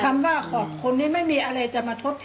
คำว่าขอบคุณนี้ไม่มีอะไรจะมาทดแทน